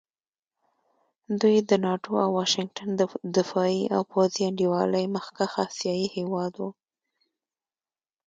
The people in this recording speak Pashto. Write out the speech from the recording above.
دوی د ناټو او واشنګټن د دفاعي او پوځي انډیوالۍ مخکښ اسیایي هېواد وو.